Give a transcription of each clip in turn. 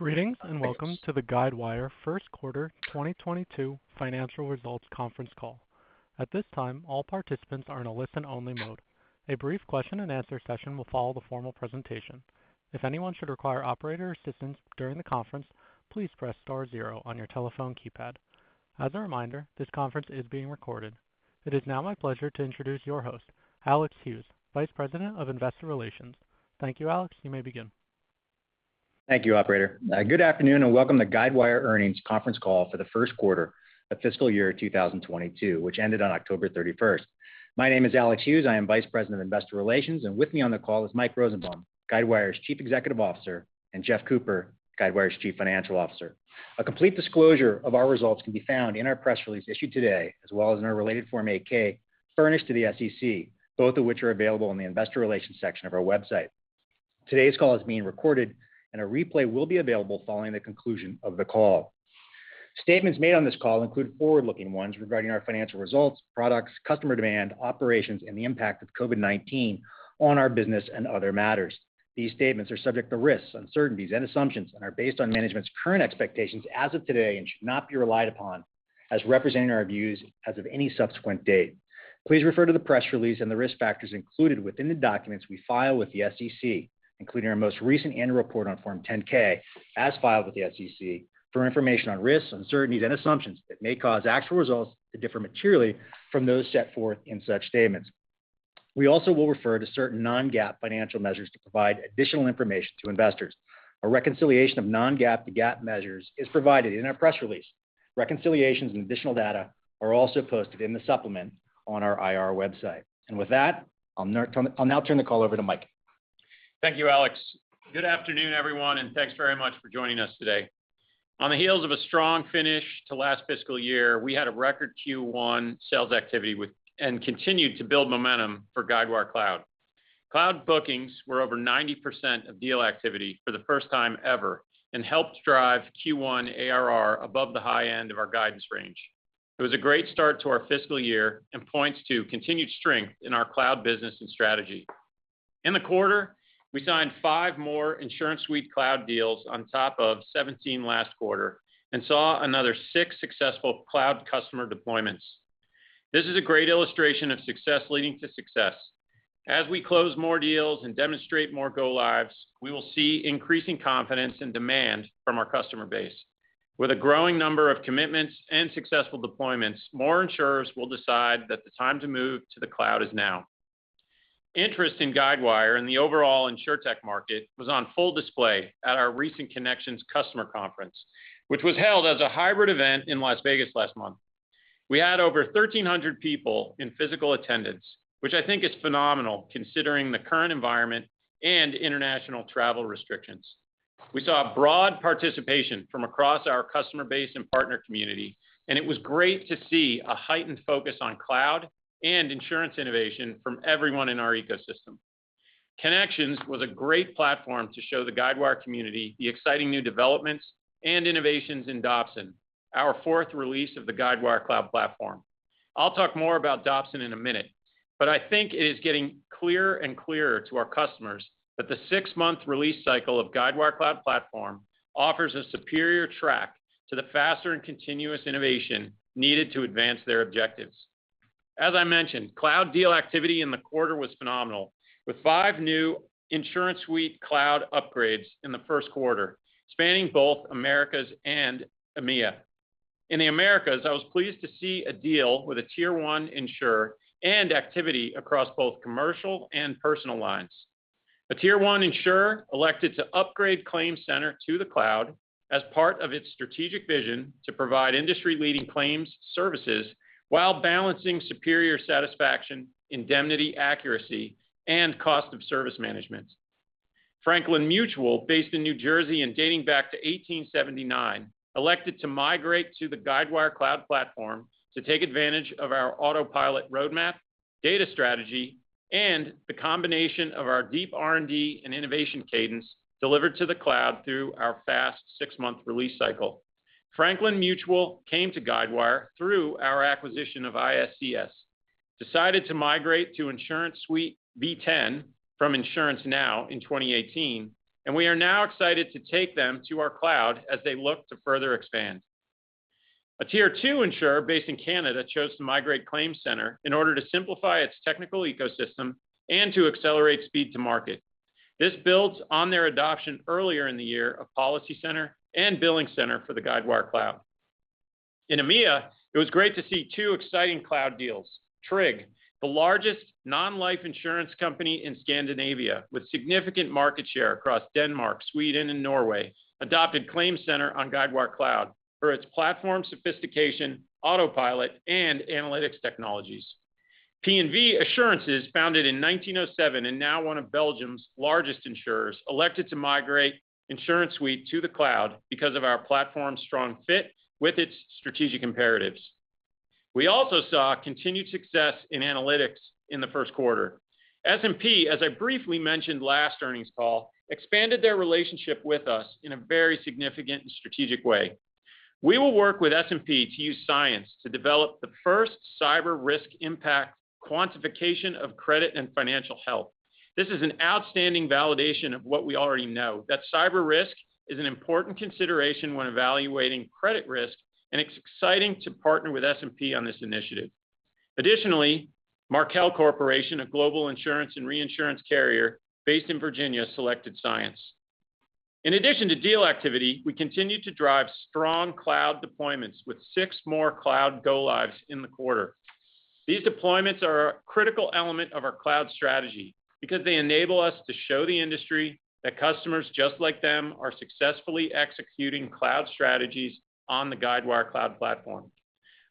Greetings and welcome to the Guidewire first quarter 2022 financial results conference Call. At this time, all participants are in a listen only mode. A brief question and answer session will follow the formal presentation. If anyone should require operator assistance during the conference, please press star zero on your telephone keypad. As a reminder, this conference is being recorded. It is now my pleasure to introduce your host, Alex Hughes, Vice President of Investor Relations. Thank you, Alex. You may begin. Thank you, opera tor. Good afternoon and welcome to Guidewire earnings conference call for the first quarter of fiscal year 2022, which ended on October 31. My name is Alex Hughes. I am Vice President of Investor Relations, and with me on the call is Mike Rosenbaum, Guidewire's Chief Executive Officer, and Jeff Cooper, Guidewire's Chief Financial Officer. A complete disclosure of our results can be found in our press release issued today, as well as in our related Form 8-K furnished to the SEC, both of which are available on the investor relations section of our website. Today's call is being recorded and a replay will be available following the conclusion of the call. Statements made on this call include forward-looking ones regarding our financial results, products, customer demand, operations, and the impact of COVID-19 on our business and other matters. These statements are subject to risks, uncertainties and assumptions and are based on management's current expectations as of today and should not be relied upon as representing our views as of any subsequent date. Please refer to the press release and the Risk Factors included within the documents we file with the SEC, including our most recent Annual Report on Form 10-K, as filed with the SEC for information on risks, uncertainties and assumptions that may cause actual results to differ materially from those set forth in such statements. We also will refer to certain non-GAAP financial measures to provide additional information to investors. A reconciliation of non-GAAP to GAAP measures is provided in our press release. Reconciliations and additional data are also posted in the supplement on our IR website. With that, I'll now turn the call over to Mike. Thank you, Alex. Good afternoon, everyone, and thanks very much for joining us today. On the heels of a strong finish to last fiscal year, we had a record Q1 sales activity and continued to build momentum for Guidewire Cloud. Cloud bookings were over 90% of deal activity for the first time ever and helped drive Q1 ARR above the high end of our guidance range. It was a great start to our fiscal year and points to continued strength in our Cloud business and Strategy. In the quarter, we signed five more InsuranceSuite cloud deals on top of 17 last quarter and saw another six successful cloud customer deployments. This is a great illustration of success leading to success. As we close more deals and demonstrate more go lives, we will see increasing confidence and demand from our customer base. With a growing number of commitments and successful deployments, more insurers will decide that the time to move to the cloud is now. Interest in Guidewire and the overall Insurtech market was on full display at our recent Connections customer conference, which was held as a hybrid event in Las Vegas last month. We had over 1,300 people in physical attendance, which I think is phenomenal considering the current environment and international travel restrictions. We saw a broad participation from across our customer base and partner community, and it was great to see a heightened focus on Cloud and Insurance Innovation from everyone in our ecosystem. Connections was a great platform to show the Guidewire community the exciting new developments and innovations in Dobson, our fourth release of the Guidewire Cloud Platform. I'll talk more about Dobson in a minute, but I think it is getting clearer and clearer to our customers that the six-month release cycle of Guidewire Cloud Platform offers a superior track to the faster and continuous innovation needed to advance their objectives. As I mentioned, cloud deal activity in the quarter was phenomenal, with five new InsuranceSuite cloud upgrades in the first quarter, spanning both Americas and EMEA. In the Americas, I was pleased to see a deal with a tier one insurer and activity across both commercial and personal lines. A Tier 1 insurer elected to upgrade ClaimCenter to the cloud as part of its strategic vision to provide industry-leading claims services while balancing superior satisfaction, indemnity accuracy, and cost of service management. Franklin Mutual Insurance Group, based in New Jersey and dating back to 1879, elected to migrate to the Guidewire Cloud Platform to take advantage of our Autopilot roadmap, data strategy, and the combination of our deep R&D and innovation cadence delivered to the cloud through our fast 6-month release cycle. Franklin Mutual Insurance Group came to Guidewire through our acquisition of ISCS, decided to migrate to InsuranceSuite v10 from InsuranceNow in 2018, and we are now excited to take them to our cloud as they look to further expand. A Tier 2 insurer based in Canada chose to migrate to ClaimCenter in order to simplify its technical ecosystem and to accelerate speed to market. This builds on their adoption earlier in the year of PolicyCenter and BillingCenter for the Guidewire Cloud. In EMEA, it was great to see two exciting cloud deals. Tryg, the largest non-life insurance company in Scandinavia, with significant market share across Denmark, Sweden, and Norway, adopted ClaimCenter on Guidewire Cloud for its platform sophistication, Autopilot, and analytics technologies. P&V Assurances, founded in 1907 and now one of Belgium's largest insurers, elected to migrate InsuranceSuite to the cloud because of our platform's strong fit with its strategic imperatives. We also saw continued success in Analytics in the first quarter. S&P, as I briefly mentioned last earnings call, expanded their relationship with us in a very significant and strategic way. We will work with S&P to use Cyence to develop the first cyber risk impact quantification of credit and financial health. This is an outstanding validation of what we already know, that cyber risk is an important consideration when evaluating credit risk, and it's exciting to partner with S&P on this initiative. Markel Corporation, a global insurance and reinsurance carrier based in Virginia, selected Cyence. In addition to deal activity, we continue to drive strong cloud deployments with six more cloud go-lives in the quarter. These deployments are a critical element of our cloud strategy because they enable us to show the industry that customers just like them are successfully executing cloud strategies on the Guidewire Cloud Platform.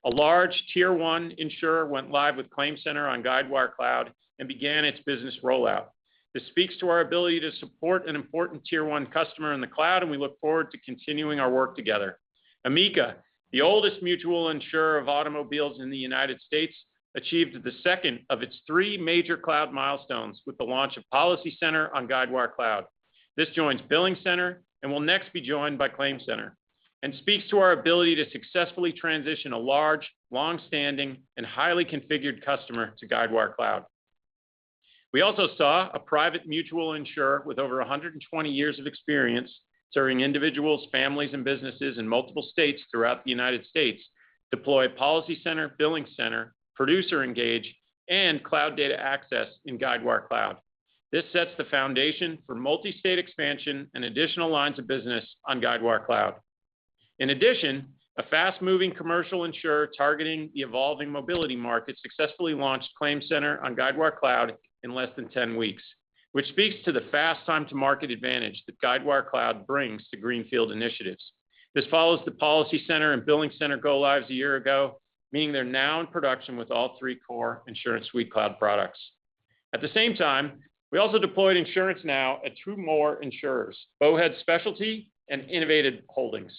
A large Tier 1 insurer went live with ClaimCenter on Guidewire Cloud and began its business rollout. This speaks to our ability to support an important tier-one customer in the cloud, and we look forward to continuing our work together. Amica, the oldest mutual insurer of automobiles in the United States, achieved the second of its three major cloud milestones with the launch of PolicyCenter on Guidewire Cloud. This joins BillingCenter and will next be joined by ClaimCenter and speaks to our ability to successfully transition a large, long-standing, and highly configured customer to Guidewire Cloud. We also saw a private mutual insurer with over 120 years of experience serving individuals, families, and businesses in multiple states throughout the United States deploy PolicyCenter, BillingCenter, ProducerEngage, and Cloud Data Access in Guidewire Cloud. This sets the foundation for multi-state expansion and additional lines of business on Guidewire Cloud. In addition, a fast-moving commercial insurer targeting the evolving mobility market successfully launched ClaimCenter on Guidewire Cloud in less than 10 weeks, which speaks to the fast time to market advantage that Guidewire Cloud brings to greenfield initiatives. This follows the PolicyCenter and BillingCenter go-lives a year ago, meaning they're now in production with all three core InsuranceSuite cloud products. At the same time, we also deployed InsuranceNow at two more insurers, Bowhead Specialty and Innovated Holdings.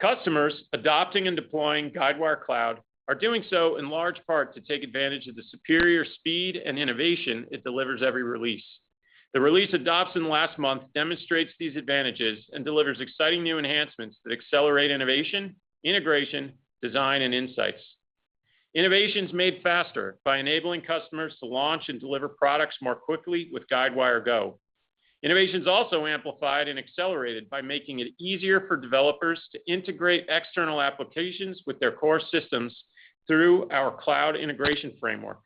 Customers adopting and deploying Guidewire Cloud are doing so in large part to take advantage of the superior speed and innovation it delivers every release. The release of Dobson last month demonstrates these advantages and delivers exciting new enhancements that accelerate innovation, integration, design, and insights. Innovation's made faster by enabling customers to launch and deliver products more quickly with Guidewire GO. Innovation's also amplified and accelerated by making it easier for developers to integrate external applications with their core systems through our Cloud Integration Framework.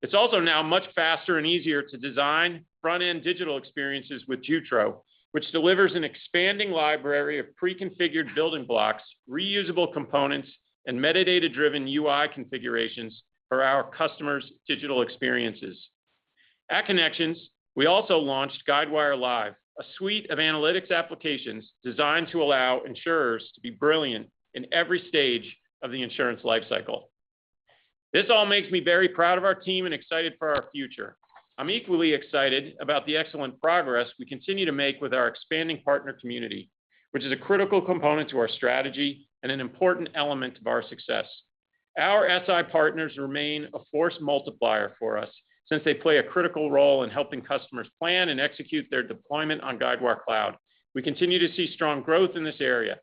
It's also now much faster and easier to design front-end digital experiences with Jutro, which delivers an expanding library of pre-configured building blocks, reusable components, and metadata-driven UI configurations for our customers' digital experiences. At Connections, we also launched Guidewire Live, a suite of analytics applications designed to allow insurers to be brilliant in every stage of the insurance lifecycle. This all makes me very proud of our team and excited for our future. I'm equally excited about the excellent progress we continue to make with our expanding partner community, which is a critical component to our strategy and an important element of our success. Our SI partners remain a force multiplier for us since they play a critical role in helping customers plan and execute their deployment on Guidewire Cloud. We continue to see strong growth in this area.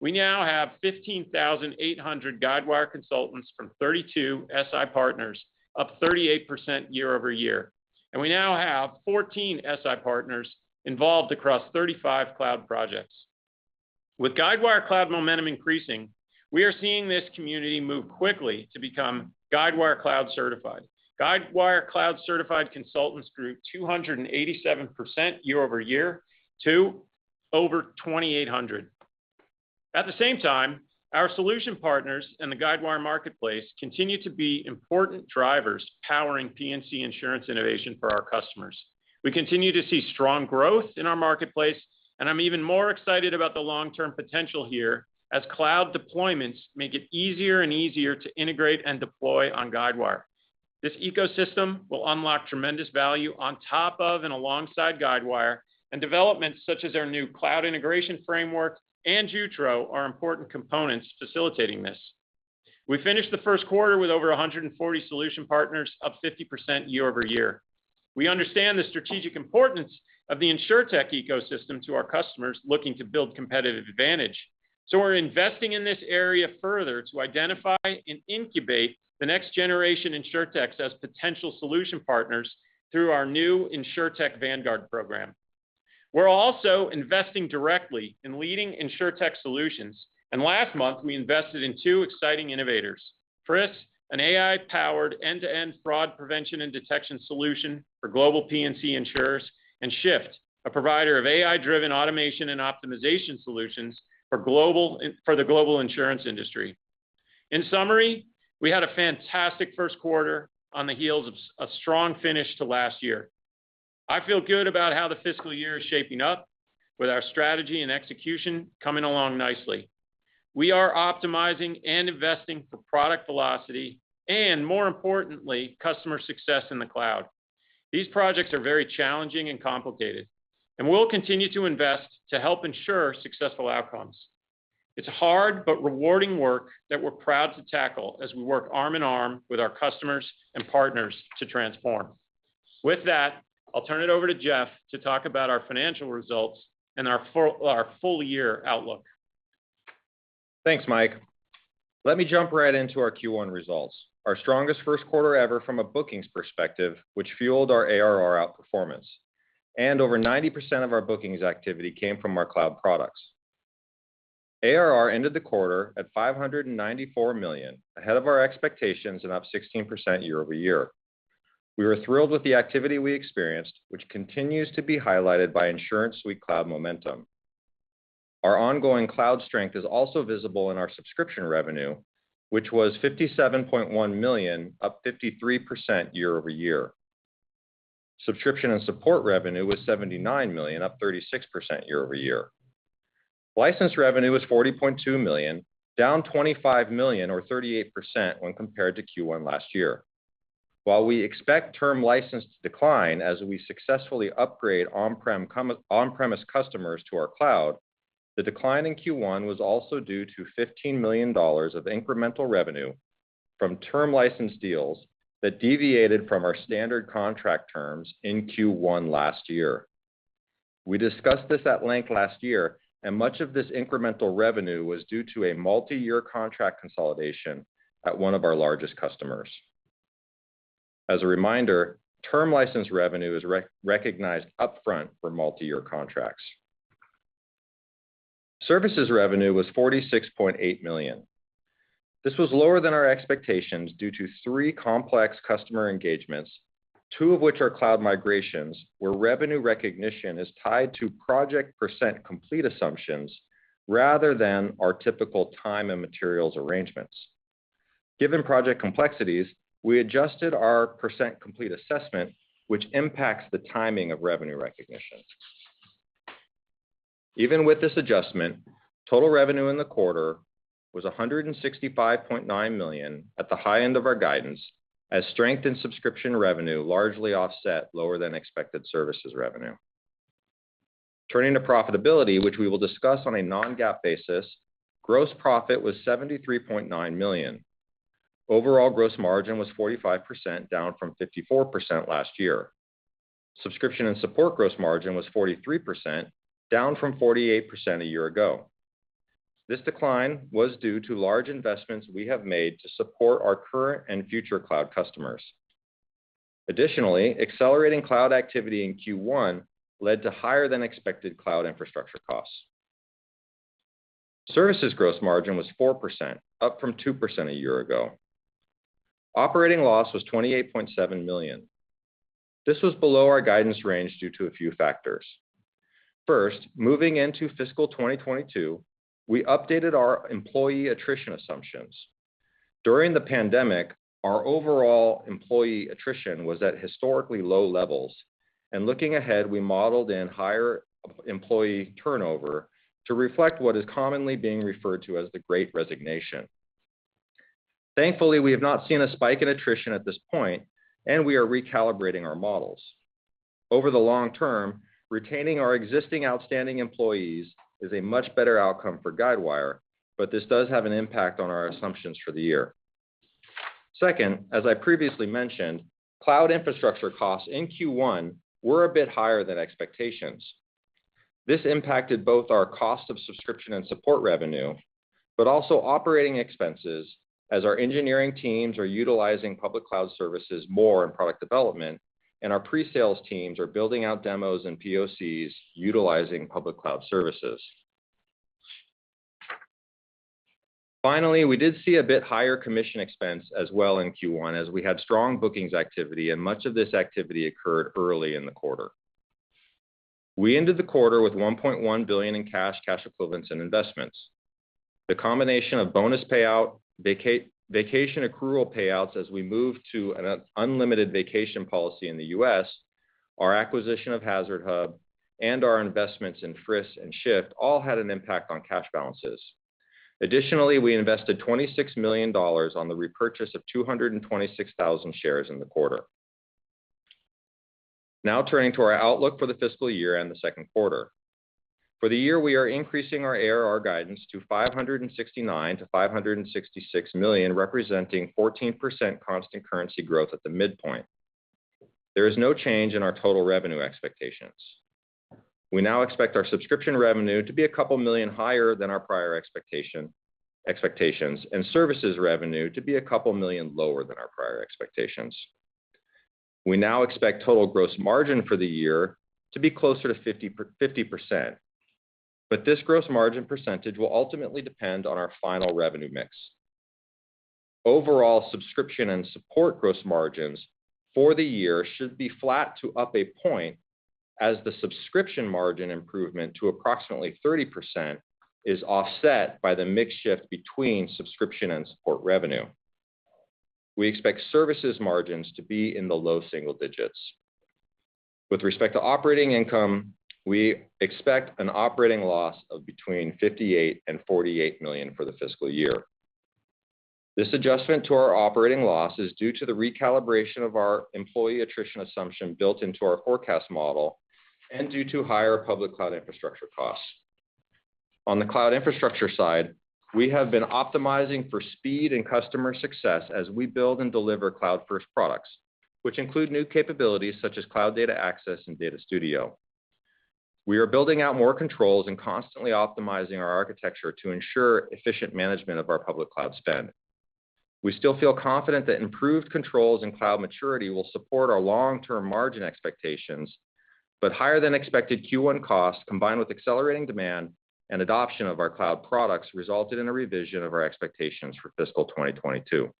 We now have 15,800 Guidewire consultants from 32 SI partners, up 38% year-over-year. We now have 14 SI partners involved across 35 cloud projects. With Guidewire Cloud momentum increasing, we are seeing this community move quickly to become Guidewire Cloud Certified. Guidewire Cloud Certified consultants grew 287% year-over-year to over 2,800. At the same time, our solution partners in the Guidewire Marketplace continue to be important drivers powering P&C insurance innovation for our customers. We continue to see strong growth in our marketplace, and I'm even more excited about the long-term potential here as cloud deployments make it easier and easier to integrate and deploy on Guidewire. This ecosystem will unlock tremendous value on top of and alongside Guidewire, and developments such as our new Cloud Integration Framework and Jutro are important components facilitating this. We finished the first quarter with over 140 solution partners, up 50% year-over-year. We understand the strategic importance of the Insurtech ecosystem to our customers looking to build competitive advantage, so we're investing in this area further to identify and incubate the next-generation Insurtechs as potential solution partners through our new Insurtech Vanguards program. We're also investing directly in leading Insurtech solutions, and last month, we invested in two exciting innovators: FRISS, an AI-powered end-to-end fraud prevention and detection solution for global P&C insurers, and Shift, a provider of AI-driven automation and optimization solutions for the global insurance industry. In summary, we had a fantastic first quarter on the heels of a strong finish to last year. I feel good about how the fiscal year is shaping up with our strategy and execution coming along nicely. We are optimizing and investing for product velocity and, more importantly, customer success in the cloud. These projects are very challenging and complicated, and we'll continue to invest to help ensure successful outcomes. It's hard but rewarding work that we're proud to tackle as we work arm in arm with our customers and partners to transform. With that, I'll turn it over to Jeff to talk about our financial results and our full-year outlook. Thanks, Mike. Let me jump right into our Q1 results. Our strongest first quarter ever from a bookings perspective, which fueled our ARR outperformance, and over 90% of our bookings activity came from our cloud products. ARR ended the quarter at $594 million, ahead of our expectations and up 16% year-over-year. We were thrilled with the activity we experienced, which continues to be highlighted by InsuranceSuite cloud momentum. Our ongoing cloud strength is also visible in our subscription revenue, which was $57.1 million, up 53% year-over-year. Subscription and Support revenue was $79 million, up 36% year-over-year. License revenue was $40.2 million, down $25 million or 38% when compared to Q1 last year. While we expect term license to decline as we successfully upgrade on-premise customers to our cloud, the decline in Q1 was also due to $15 million of incremental revenue from term license deals that deviated from our standard contract terms in Q1 last year. We discussed this at length last year, and much of this incremental revenue was due to a multi-year contract consolidation at one of our largest customers. As a reminder, term license revenue is recognized upfront for multi-year contracts. Services revenue was $46.8 million. This was lower than our expectations due to three complex customer engagements, two of which are cloud migrations, where revenue recognition is tied to project percent complete assumptions rather than our typical time and materials arrangements. Given project complexities, we adjusted our percent complete assessment, which impacts the timing of revenue recognition. Even with this adjustment, total revenue in the quarter was $165.9 million at the high end of our guidance as strength in subscription revenue largely offset lower than expected services revenue. Turning to profitability, which we will discuss on a non-GAAP basis, gross profit was $73.9 million. Overall gross margin was 45%, down from 54% last year. Subscription and Support gross margin was 43%, down from 48% a year ago. This decline was due to large investments we have made to support our current and future cloud customers. Additionally, accelerating cloud activity in Q1 led to higher than expected cloud infrastructure costs. Services gross margin was 4%, up from 2% a year ago. Operating loss was $28.7 million. This was below our guidance range due to a few factors. First, moving into Fiscal 2022, we updated our employee attrition assumptions. During the pandemic, our overall employee attrition was at historically low levels, and looking ahead, we modeled in higher employee turnover to reflect what is commonly being referred to as the Great Resignation. Thankfully, we have not seen a spike in attrition at this point, and we are recalibrating our models. Over the long-term, retaining our existing outstanding employees is a much better outcome for Guidewire, but this does have an impact on our assumptions for the year. Second, as I previously mentioned, cloud infrastructure costs in Q1 were a bit higher than expectations. This impacted both our cost of subscription and support revenue, but also operating expenses as our engineering teams are utilizing public cloud services more in product development and our pre-sales teams are building out demos and POCs utilizing public cloud services. Finally, we did see a bit higher commission expense as well in Q1 as we had strong bookings activity, and much of this activity occurred early in the quarter. We ended the quarter with $1.1 billion in cash equivalents, and investments. The combination of bonus payout, vacation accrual payouts as we move to an unlimited vacation policy in the U.S., our acquisition of HazardHub, and our investments in FRISS and Shift all had an impact on cash balances. Additionally, we invested $26 million on the repurchase of 226,000 shares in the quarter. Now turning to our outlook for the fiscal year and the second quarter. For the year, we are increasing our ARR guidance to $569 million-$566 million, representing 14% constant currency growth at the midpoint. There is no change in our total revenue expectations. We now expect our Subscription revenue to be $2 million higher than our prior expectations and Services revenue to be $2 million lower than our prior expectations. We now expect total gross margin for the year to be closer to 50%, but this gross margin percentage will ultimately depend on our final revenue mix. Overall Subscription and Support gross margins for the year should be flat to up a point as the Subscription margin improvement to approximately 30% is offset by the mix shift between Subscription and Support revenue. We expect services margins to be in the low-single-digits. With respect to operating income, we expect an operating loss of between $58 million and $48 million for the fiscal year. This adjustment to our operating loss is due to the recalibration of our employee attrition assumption built into our forecast model and due to higher public cloud infrastructure costs. On the cloud infrastructure side, we have been optimizing for speed and customer success as we build and deliver cloud-first products, which include new capabilities such as Cloud Data Access and Data Studio. We are building out more controls and constantly optimizing our architecture to ensure efficient management of our public cloud spend. We still feel confident that improved controls and cloud maturity will support our long-term margin expectations, but higher than expected Q1 costs, combined with accelerating demand and adoption of our cloud products, resulted in a revision of our expectations for Fiscal 2022.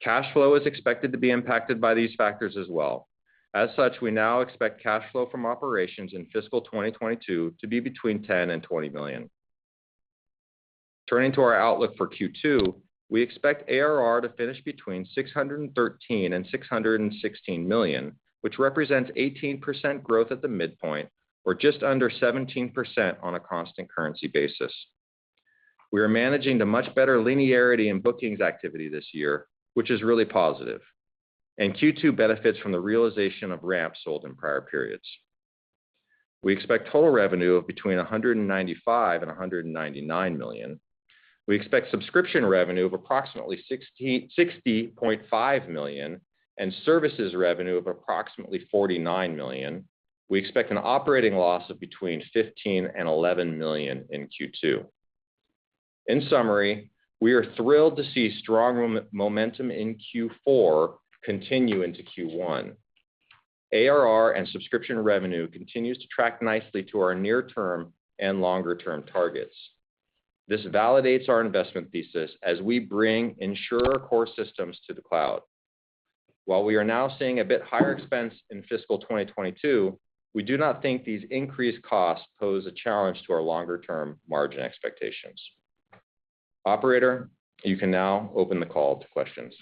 Cash flow is expected to be impacted by these factors as well. As such, we now expect cash flow from operations in Fiscal 2022 to be between $10 million and $20 million. Turning to our outlook for Q2, we expect ARR to finish between $613 million and $616 million, which represents 18% growth at the midpoint or just under 17% on a constant currency basis. We are managing the much better linearity in bookings activity this year, which is really positive, and Q2 benefits from the realization of ramps sold in prior periods. We expect total revenue of between $195 million and $199 million. We expect Subscription revenue of approximately $60.5 million and Services revenue of approximately $49 million. We expect an operating loss of between $15 million and $11 million in Q2. In summary, we are thrilled to see strong momentum in Q4 continue into Q1. ARR and subscription revenue continues to track nicely to our near-term and longer-term targets. This validates our investment thesis as we bring insurer core systems to the cloud. While we are now seeing a bit higher expense in Fiscal 2022, we do not think these increased costs pose a challenge to our longer-term margin expectations. Operator, you can now open the call to questions.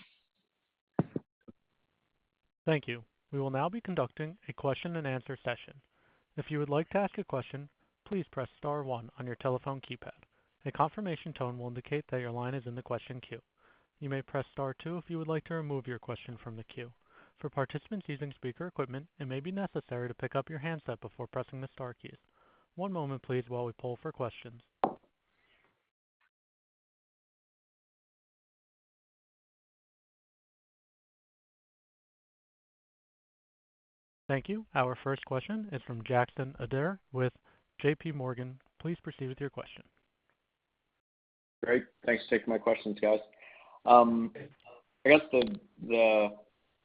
Thank you. We will now be conducting a question-and-answer session. If you would like to ask a question, please press Star one on your telephone keypad. A confirmation tone will indicate that your line is in the question queue. You may press Star two if you would like to remove your question from the queue. For participants using speaker equipment, it may be necessary to pick up your handset before pressing the Star keys. One moment please while we poll for questions. Thank you. Our first question is from Jackson Ader with JPMorgan. Please proceed with your question. Great. Thanks for taking my questions, guys. I guess the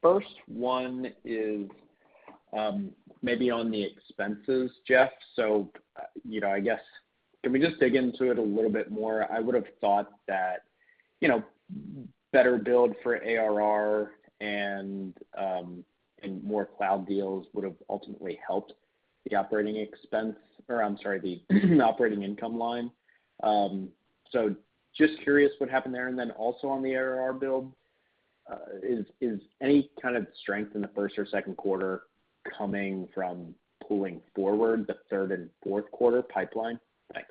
first one is maybe on the expenses, Jeff. You know, I guess can we just dig into it a little bit more? I would have thought that, you know, better build for ARR and more cloud deals would have ultimately helped the operating expense or, I'm sorry, the operating income line. Just curious what happened there. Also on the ARR build, is any kind of strength in the first or second quarter coming from pulling forward the third and fourth quarter pipeline? Thanks.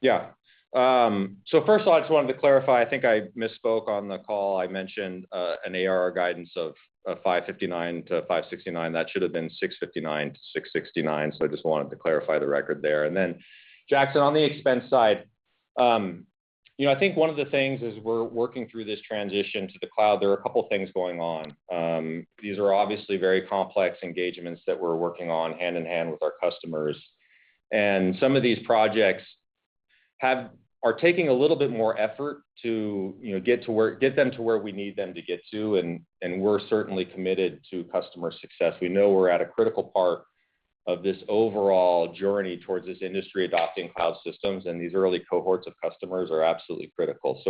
Yeah. First of all, I just wanted to clarify, I think I misspoke on the call. I mentioned an ARR guidance of 559-569. That should have been $659 million-$669 million. I just wanted to clarify the record there. Jackson, on the expense side, you know, I think one of the things as we're working through this transition to the cloud, there are a couple things going on. These are obviously very complex engagements that we're working on hand in hand with our customers. Some of these projects are taking a little bit more effort to, you know, get them to where we need them to get to, and we're certainly committed to customer success. We know we're at a critical part of this overall journey towards this industry adopting cloud systems, and these early cohorts of customers are absolutely critical.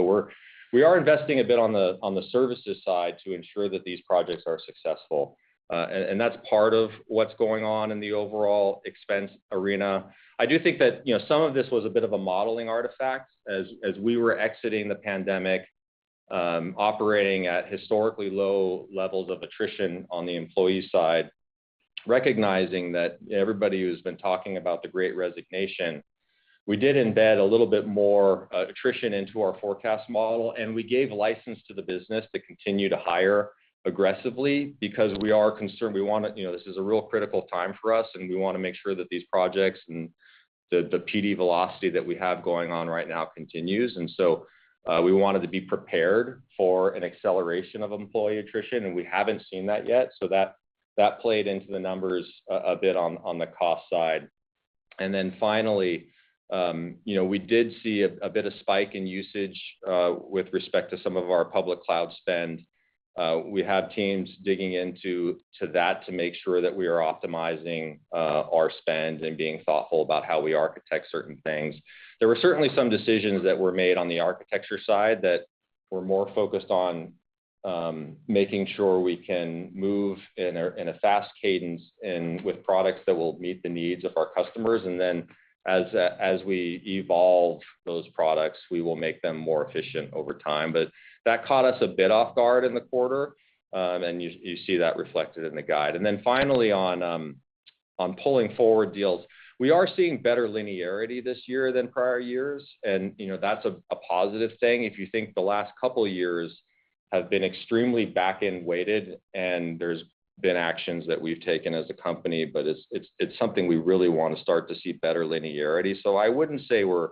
We're investing a bit on the services side to ensure that these projects are successful, and that's part of what's going on in the overall expense arena. I do think that, you know, some of this was a bit of a modeling artifact as we were exiting the pandemic, operating at historically low levels of attrition on the employee side, recognizing that everybody who's been talking about the great resignation, we did embed a little bit more attrition into our forecast model, and we gave license to the business to continue to hire aggressively because we are concerned. We wanna, you know, this is a real critical time for us, and we wanna make sure that these projects and the PD velocity that we have going on right now continues. We wanted to be prepared for an acceleration of employee attrition, and we haven't seen that yet. That played into the numbers a bit on the cost side. Finally, you know, we did see a bit of a spike in usage with respect to some of our public cloud spend. We have teams digging into that to make sure that we are optimizing our spend and being thoughtful about how we architect certain things. There were certainly some decisions that were made on the architecture side that were more focused on making sure we can move in a fast cadence and with products that will meet the needs of our customers. As we evolve those products, we will make them more efficient over time. That caught us a bit off guard in the quarter, and you see that reflected in the guide. Finally, on pulling forward deals, we are seeing better linearity this year than prior years, and you know, that's a positive thing. If you think the last couple of years Have been extremely back-end weighted, and there's been actions that we've taken as a company, but it's something we really wanna start to see better linearity. I wouldn't say we're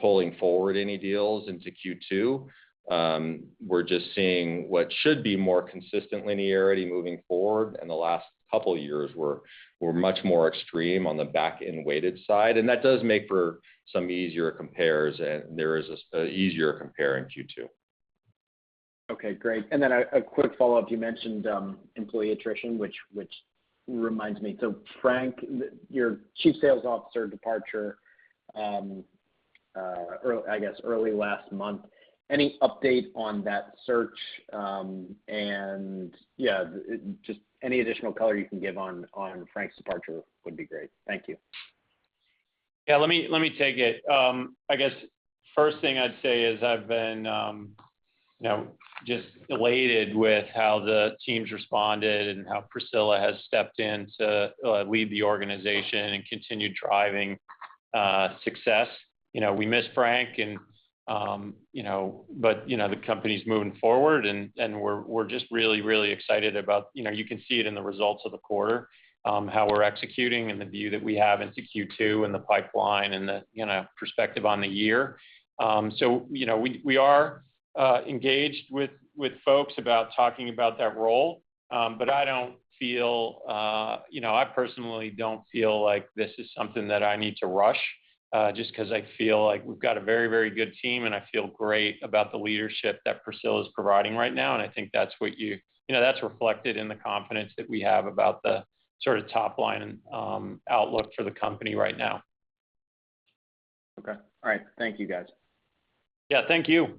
pulling forward any deals into Q2. We're just seeing what should be more consistent linearity moving forward. The last couple years were much more extreme on the back-end weighted side, and that does make for some easier compares, and there is an easier compare in Q2. Okay, great. A quick follow-up. You mentioned employee attrition, which reminds me. Frank, your Chief Sales Officer departure, I guess early last month, any update on that search? Yeah, just any additional color you can give on Frank's departure would be great. Thank you. Yeah, let me take it. I guess first thing I'd say is I've been you know just elated with how the teams responded and how Priscilla has stepped in to lead the organization and continue driving success. You know, we miss Frank, but you know the company's moving forward and we're just really excited about you know you can see it in the results of the quarter, how we're executing and the view that we have into Q2 and the pipeline and the you know perspective on the year. You know, we are engaged with folks about talking about that role. I don't feel, you know, I personally don't feel like this is something that I need to rush, just 'cause I feel like we've got a very, very good team, and I feel great about the leadership that Priscilla is providing right now. I think you know, that's reflected in the confidence that we have about the sort of top line outlook for the company right now. Okay. All right. Thank you, guys. Yeah, thank you.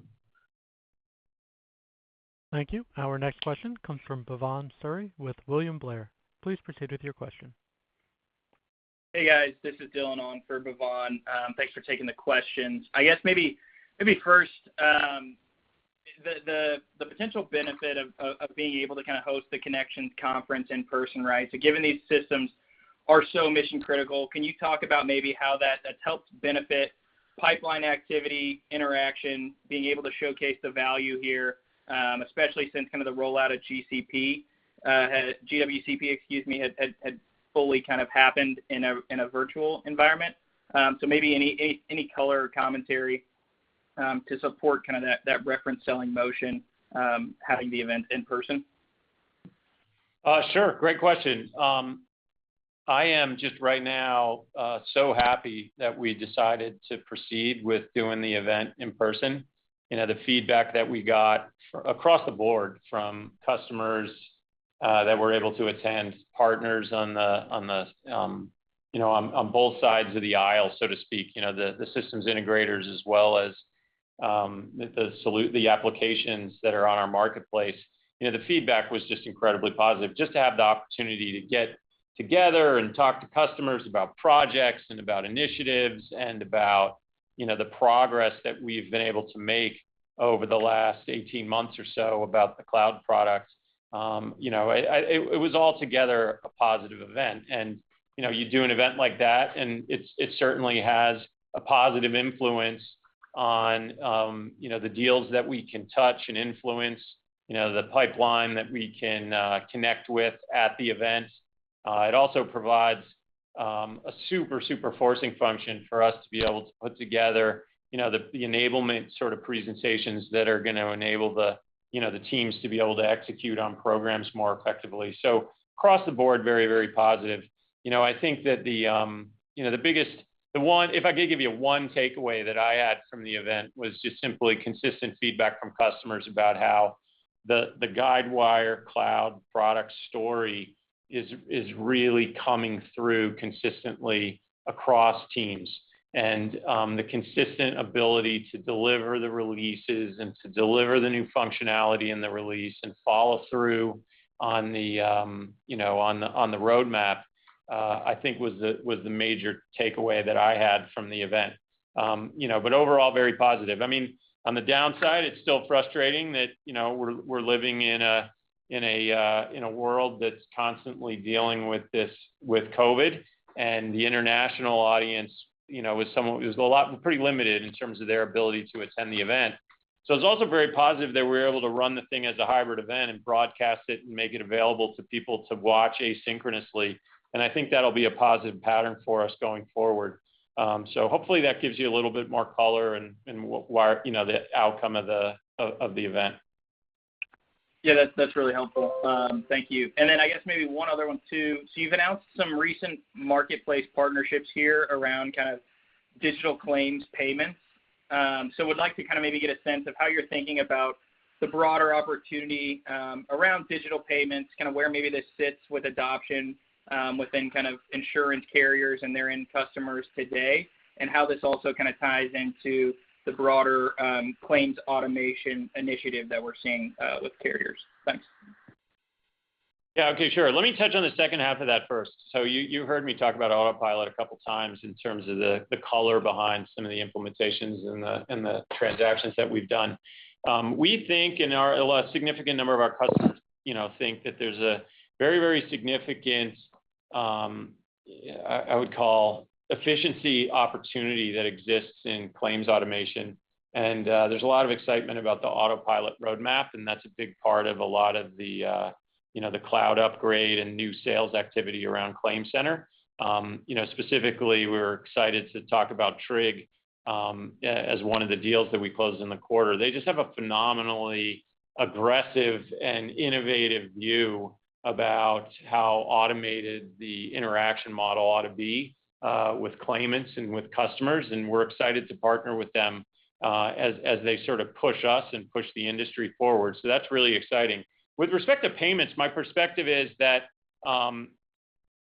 Thank you. Our next question comes from Bhavan Suri with William Blair. Please proceed with your question. Hey, guys. This is Dylan on for Bhavan. Thanks for taking the questions. I guess maybe first, the potential benefit of being able to kind of host the Connections conference in person, right? Given these systems are so mission-critical, can you talk about maybe how that has helped benefit pipeline activity, interaction, being able to showcase the value here, especially since kind of the rollout of GWCP, excuse me, had fully kind of happened in a virtual environment. Maybe any color or commentary to support kind of that reference selling motion, having the event in person? Sure. Great question. I am just right now so happy that we decided to proceed with doing the event in person. You know, the feedback that we got across the board from customers that were able to attend, partners on both sides of the aisle, so to speak. You know, the systems integrators as well as the applications that are on our marketplace. You know, the feedback was just incredibly positive. Just to have the opportunity to get together and talk to customers about projects and about initiatives and about, you know, the progress that we've been able to make over the last 18 months or so about the cloud products. You know, it was altogether a positive event. You know, you do an event like that, and it certainly has a positive influence on, you know, the deals that we can touch and influence. You know, the pipeline that we can connect with at the event. It also provides a super forcing function for us to be able to put together, you know, the enablement sort of presentations that are gonna enable the teams to be able to execute on programs more effectively. Across the board, very positive. You know, I think that if I could give you one takeaway that I had from the event was just simply consistent feedback from customers about how the Guidewire Cloud product story is really coming through consistently across teams. The consistent ability to deliver the releases and to deliver the new functionality in the release and follow through on the roadmap, I think was the major takeaway that I had from the event. You know, but overall, very positive. I mean, on the downside, it's still frustrating that, you know, we're living in a world that's constantly dealing with this, with COVID. The international audience, you know, was pretty limited in terms of their ability to attend the event. It's also very positive that we were able to run the thing as a hybrid event and broadcast it and make it available to people to watch asynchronously. I think that'll be a positive pattern for us going forward. Hopefully that gives you a little bit more color and why, you know, the outcome of the event. Yeah, that's really helpful. Thank you. I guess maybe one other one too. You've announced some recent marketplace partnerships here around kind of digital claims payments. I would like to kind of maybe get a sense of how you're thinking about the broader opportunity around digital payments, kind of where maybe this sits with adoption within kind of insurance carriers and their end customers today, and how this also kind of ties into the broader claims automation initiative that we're seeing with carriers. Thanks. Yeah. Okay, sure. Let me touch on the second half of that first. You heard me talk about Autopilot a couple times in terms of the color behind some of the implementations and the transactions that we've done. We think a significant number of our customers think that there's a very significant efficiency opportunity that exists in claims automation. There's a lot of excitement about the Autopilot roadmap, and that's a big part of a lot of the cloud upgrade and new sales activity around ClaimCenter. Specifically, we're excited to talk about Tryg as one of the deals that we closed in the quarter. They just have a phenomenally aggressive and innovative view about how automated the interaction model ought to be with claimants and with customers, and we're excited to partner with them as they sort of push us and push the industry forward. That's really exciting. With respect to payments, my perspective is that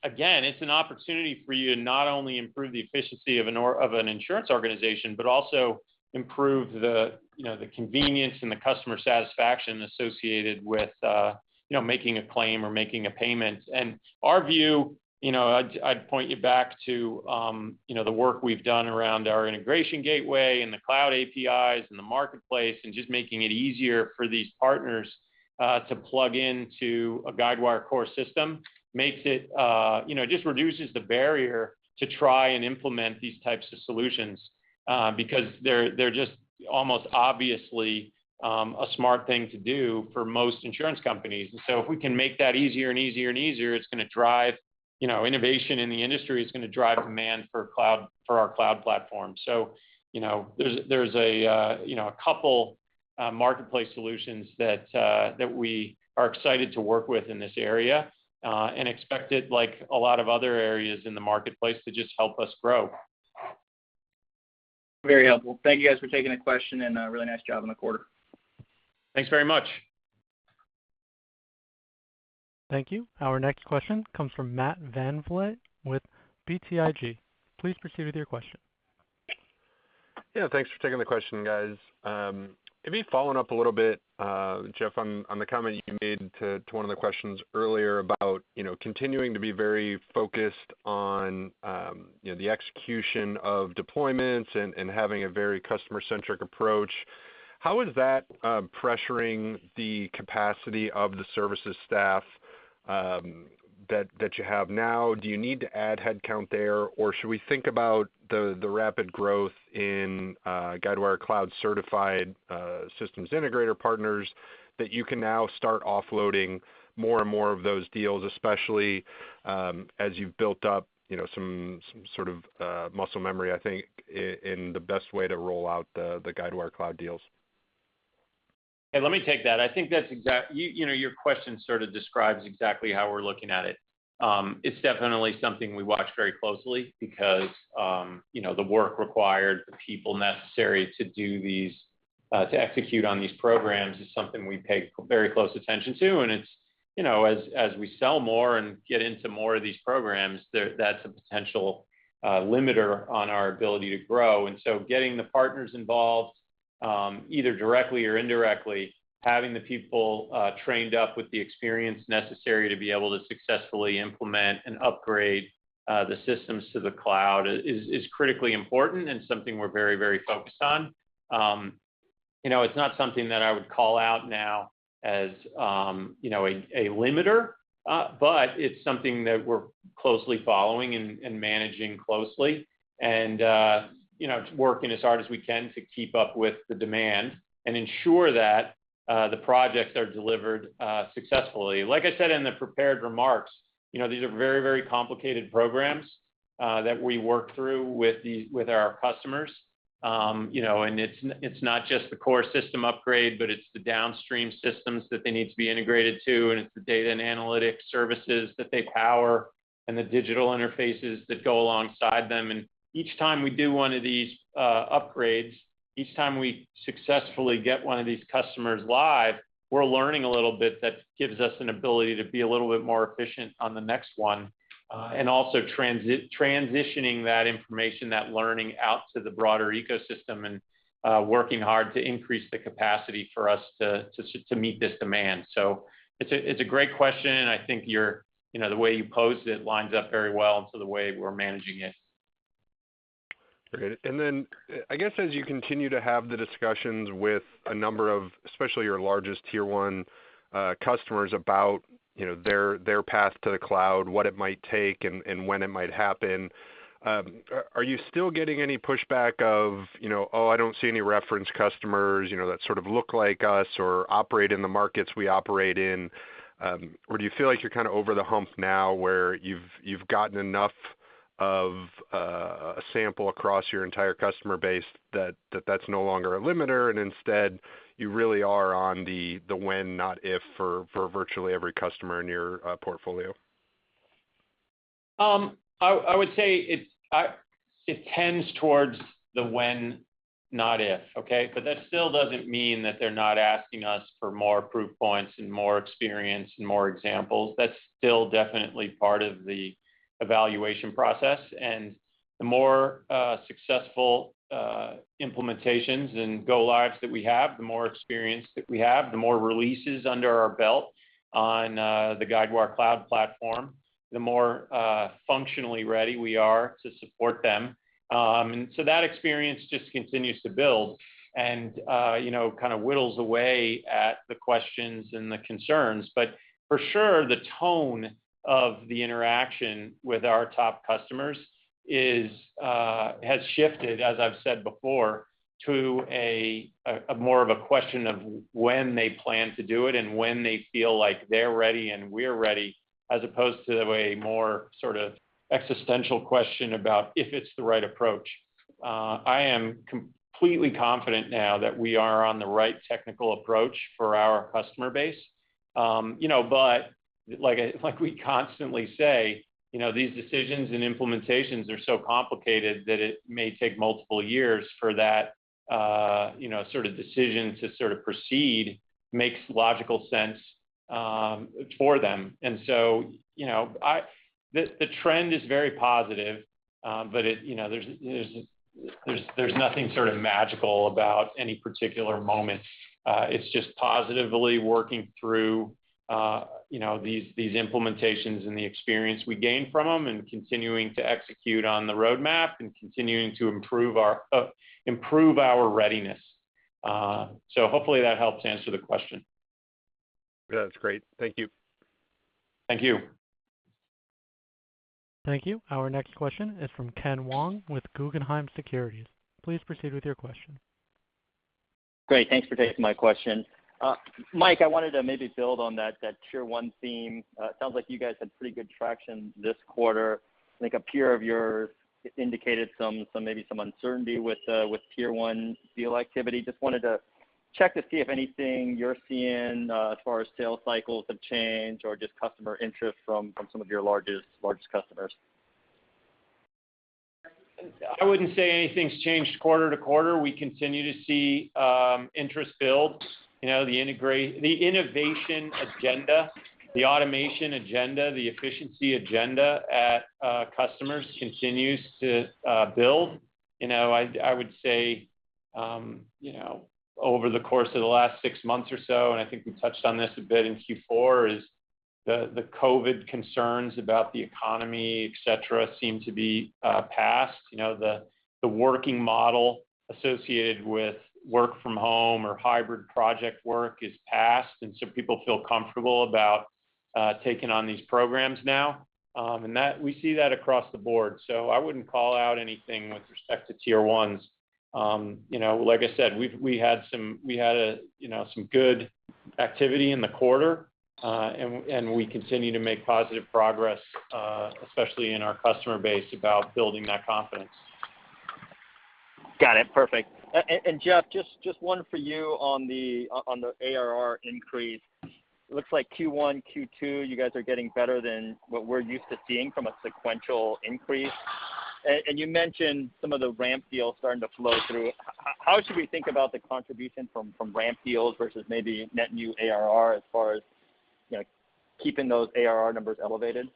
again, it's an opportunity for you to not only improve the efficiency of an insurance organization, but also improve the you know, the convenience and the customer satisfaction associated with you know, making a claim or making a payment. Our view, you know, I'd point you back to the work we've done around our Integration Gateway and the Cloud APIs and the Marketplace, and just making it easier for these partners to plug into a Guidewire core system makes it just reduces the barrier to try and implement these types of solutions, because they're just almost obviously a smart thing to do for most insurance companies. And so if we can make that easier and easier and easier, it's gonna drive, you know, innovation in the industry. It's gonna drive demand for our cloud platform. You know, there's a couple Marketplace solutions that we are excited to work with in this area, and expect it, like a lot of other areas in the Marketplace, to just help us grow. Very helpful. Thank you guys for taking the question and, really nice job on the quarter. Thanks very much. Thank you. Our next question comes from Matt VanVliet with BTIG. Please proceed with your question. Yeah, thanks for taking the question, guys. Maybe following up a little bit, Jeff, on the comment you made to one of the questions earlier about, you know, continuing to be very focused on, you know, the execution of deployments and having a very customer-centric approach. How is that pressuring the capacity of the services staff that you have now? Do you need to add headcount there, or should we think about the rapid growth in Guidewire Cloud certified systems integrator partners that you can now start offloading more and more of those deals, especially as you've built up, you know, some sort of muscle memory, I think, in the best way to roll out the Guidewire Cloud deals? Yeah, let me take that. You know, your question sort of describes exactly how we're looking at it. It's definitely something we watch very closely because, you know, the work required, the people necessary to do these to execute on these programs is something we pay very close attention to. It's, you know, as we sell more and get into more of these programs, that's a potential limiter on our ability to grow. Getting the partners involved, either directly or indirectly, having the people trained up with the experience necessary to be able to successfully implement and upgrade the systems to the cloud is critically important and something we're very, very focused on. You know, it's not something that I would call out now as a limiter, but it's something that we're closely following and managing closely and you know, working as hard as we can to keep up with the demand and ensure that the projects are delivered successfully. Like I said in the prepared remarks, you know, these are very, very complicated programs that we work through with our customers. You know, it's not just the core system upgrade, but it's the downstream systems that they need to be integrated to, and it's the data and analytics services that they power and the digital interfaces that go alongside them. Each time we do one of these upgrades, each time we successfully get one of these customers live, we're learning a little bit that gives us an ability to be a little bit more efficient on the next one, and also transitioning that information, that learning out to the broader ecosystem, and working hard to increase the capacity for us to meet this demand. It's a great question, and I think you're, you know, the way you posed it lines up very well to the way we're managing it. Great. I guess as you continue to have the discussions with a number of especially your largest Tier 1 customers about, you know, their path to the cloud, what it might take and when it might happen, are you still getting any pushback of, you know, Oh, I don't see any reference customers, you know, that sort of look like us or operate in the markets we operate in? Or do you feel like you're kind of over the hump now, where you've gotten enough of a sample across your entire customer base that that's no longer a limiter, and instead, you really are on the when, not if for virtually every customer in your portfolio? I would say it's the when, not if, okay? That still doesn't mean that they're not asking us for more proof points and more experience and more examples. That's still definitely part of the evaluation process. The more successful implementations and go-lives that we have, the more experience that we have, the more releases under our belt on the Guidewire Cloud Platform, the more functionally ready we are to support them. That experience just continues to build and you know, kind of whittles away at the questions and the concerns. For sure, the tone of the interaction with our top customers has shifted, as I've said before, to a more of a question of when they plan to do it and when they feel like they're ready and we're ready, as opposed to a more sort of existential question about if it's the right approach. I am completely confident now that we are on the right technical approach for our customer base. You know, like we constantly say, you know, these decisions and implementations are so complicated that it may take multiple years for that, you know, sort of decision to sort of proceed makes logical sense, for them. The trend is very positive, but it, you know, there's nothing sort of magical about any particular moment. It's just positively working through, you know, these implementations and the experience we gain from them and continuing to execute on the roadmap and continuing to improve our readiness. Hopefully that helps answer the question. That's great. Thank you. Thank you. Thank you. Our next question is from Ken Wong with Guggenheim Securities. Please proceed with your question. Great. Thanks for taking my question. Mike, I wanted to maybe build on that tier one theme. It sounds like you guys had pretty good traction this quarter. I think a peer of yours indicated some maybe some uncertainty with tier one deal activity. Just wanted to check to see if anything you're seeing as far as sales cycles have changed or just customer interest from some of your largest customers. I wouldn't say anything's changed quarter to quarter. We continue to see interest build. You know, the innovation agenda, the automation agenda, the efficiency agenda at customers continues to build. You know, I would say over the course of the last six months or so, and I think we touched on this a bit in Q4, is the COVID concerns about the economy, et cetera, seem to be past. You know, the working model associated with work from home or hybrid project work is past, and so people feel comfortable about taking on these programs now. We see that across the board. I wouldn't call out anything with respect to tier ones. You know, like I said, we had some good activity in the quarter, and we continue to make positive progress, especially in our customer base about building that confidence. Got it. Perfect. Jeff, just one for you on the ARR increase. It looks like Q1, Q2, you guys are getting better than what we're used to seeing from a sequential increase. You mentioned some of the ramp deals starting to flow through. How should we think about the contribution from ramp deals versus maybe net new ARR as far as, you know, keeping those ARR numbers elevated?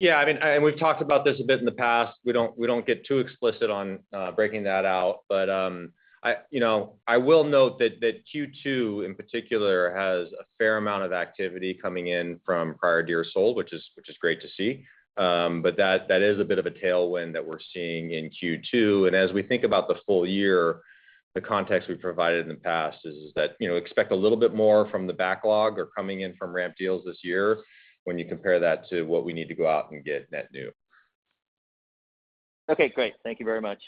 Yeah, I mean, we've talked about this a bit in the past. We don't get too explicit on breaking that out. But I will note that Q2, in particular, has a fair amount of activity coming in from prior years sold, which is great to see. But that is a bit of a tailwind that we're seeing in Q2. As we think about the full-year, the context we've provided in the past is that expect a little bit more from the backlog or coming in from ramp deals this year when you compare that to what we need to go out and get net new. Okay, great. Thank you very much.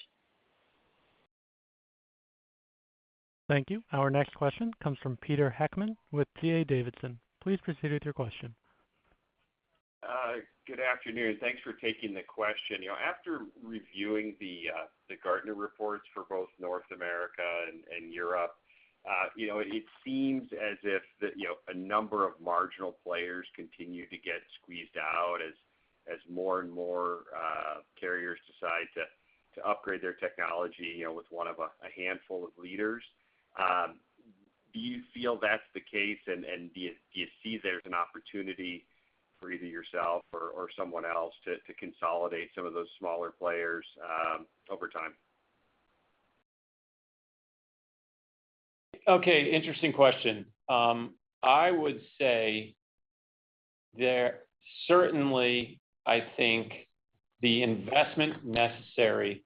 Thank you. Our next question comes from Peter Heckmann with D.A. Davidson. Please proceed with your question. Good afternoon. Thanks for taking the question. You know, after reviewing the Gartner reports for both North America and Europe, you know, it seems as if the, you know, a number of marginal players continue to get squeezed out as more and more carriers decide to upgrade their technology, you know, with one of a handful of leaders. Do you feel that's the case? Do you see there's an opportunity for either yourself or someone else to consolidate some of those smaller players over time? Okay, interesting question. Certainly, I think the investment necessary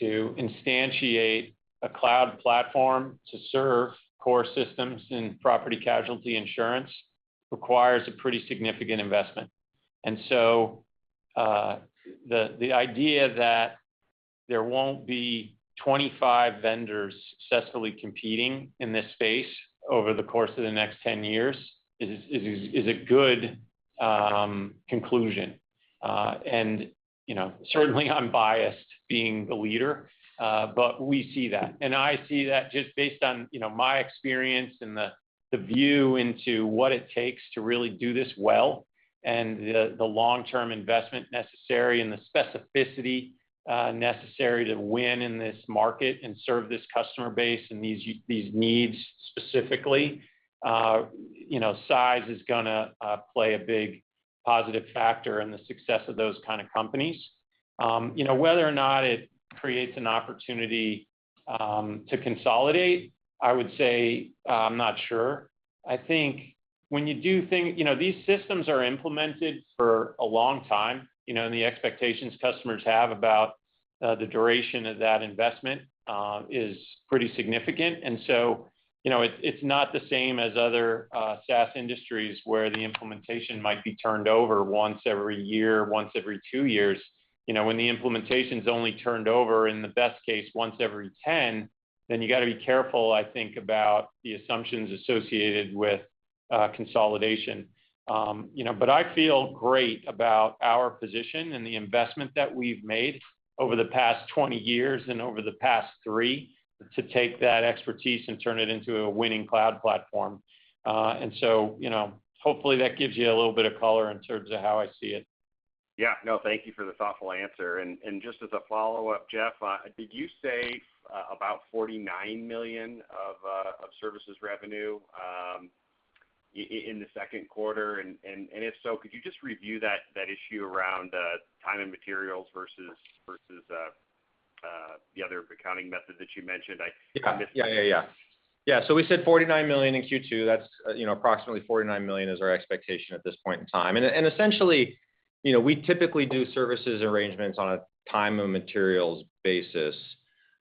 to instantiate a cloud platform to serve core systems in property casualty insurance requires a pretty significant investment. The idea that there won't be 25 vendors successfully competing in this space over the course of the next 10 years is a good conclusion. You know, certainly I'm biased being the leader, but we see that. I see that just based on my experience and the view into what it takes to really do this well and the long-term investment necessary and the specificity necessary to win in this market and serve this customer base and these needs specifically. You know, size is gonna play a big positive factor in the success of those kind of companies. You know, whether or not it creates an opportunity to consolidate, I would say, I'm not sure. I think. You know, these systems are implemented for a long time, you know, and the expectations customers have about the duration of that investment is pretty significant. You know, it's not the same as other SaaS industries where the implementation might be turned over once every year, once every two years. You know, when the implementation's only turned over, in the best case, once every ten, then you gotta be careful, I think, about the assumptions associated with consolidation. I feel great about our position and the investment that we've made over the past 20 years and over the past three to take that expertise and turn it into a winning cloud platform. You know, hopefully that gives you a little bit of color in terms of how I see it. Yeah. No, thank you for the thoughtful answer. Just as a follow-up, Jeff, did you say about $49 million of services revenue in the second quarter? If so, could you just review that issue around time and materials versus the other accounting method that you mentioned? I- Yeah. Missed that. Yeah, so we said $49 million in Q2. That's approximately $49 million is our expectation at this point in time. Essentially, we typically do services arrangements on a time and materials basis.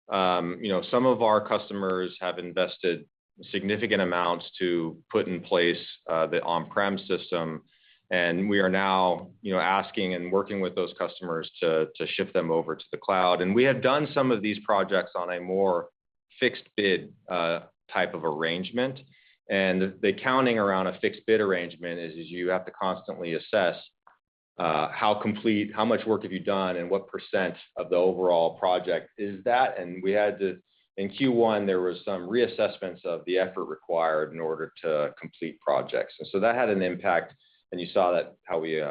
Some of our customers have invested significant amounts to put in place the on-prem system, and we are now asking and working with those customers to ship them over to the cloud. We have done some of these projects on a more fixed bid type of arrangement. The accounting around a fixed bid arrangement is you have to constantly assess how much work have you done and what percent of the overall project is that. In Q1, there was some reassessments of the effort required in order to complete projects. That had an impact, and you saw that how we